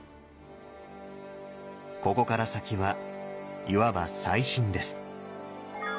ここから先はいわば再審です。